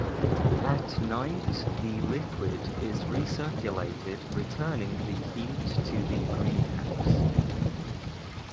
At night the liquid is recirculated returning the heat to the greenhouse.